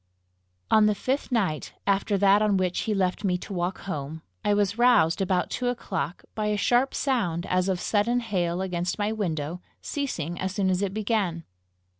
On the fifth night after that on which he left me to walk home, I was roused, about two o'clock, by a sharp sound as of sudden hail against my window, ceasing as soon as it began.